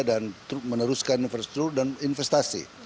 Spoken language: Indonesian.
dan meneruskan investasi